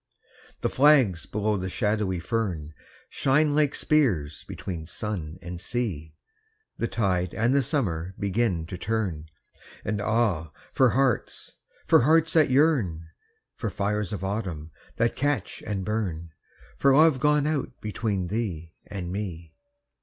THE flags below the shadowy fern Shine like spears between sun and sea, The tide and the summer begin to turn, And ah, for hearts, for hearts that yearn, For fires of autumn that catch and burn, For love gone out between thee and me.